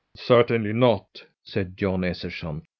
"Certainly not!" said Jon Esserson.